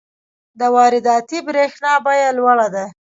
د وارداتي برښنا بیه لوړه ده.